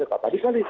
ya harus dihukum